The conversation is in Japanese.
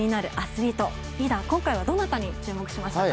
リーダー、今回はどなたに注目しましたか？